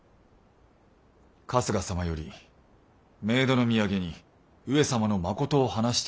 春日様より冥土の土産に上様のまことを話してやるがよいと。